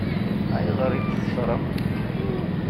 Ayɣer i t-teṣṣṛem?